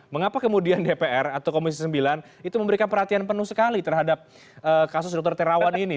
mengapa kemudian dpr atau komisi sembilan itu memberikan perhatian penuh sekali terhadap kasus dr terawan ini